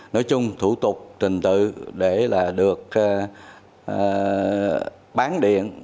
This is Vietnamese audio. nói chung thủ tục trình tự để được bán điện